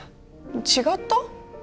違った？